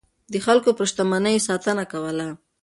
د خلکو پر شتمنيو يې ساتنه کوله.